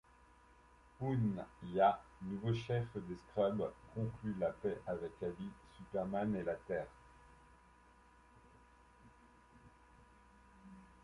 Hun-ya, nouveau chef des Scrubbs, conclut la paix avec Ali, Superman et la Terre.